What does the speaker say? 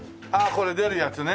これ出るやつね。